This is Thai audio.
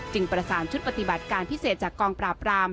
ประสานชุดปฏิบัติการพิเศษจากกองปราบราม